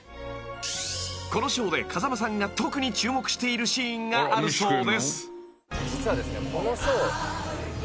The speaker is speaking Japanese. ［このショーで風間さんが特に注目しているシーンがあるそうです］